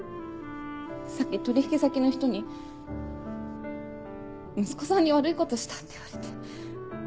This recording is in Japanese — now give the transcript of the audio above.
さっき取引先の人に「息子さんに悪いことした」って言われて。